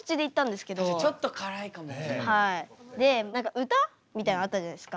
で何か歌みたいなのあったじゃないですか。